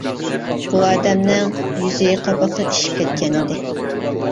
بۇ ئادەمنىڭ يۈزى، قاپاقلىرى ئىششىپ كەتكەنىدى.